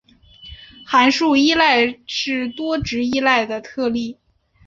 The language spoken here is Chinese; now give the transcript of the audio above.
函数依赖是多值依赖的特例。